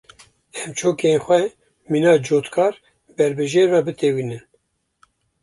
Em çokên xwe mîna cotkar ber bi jêr ve bitewînin.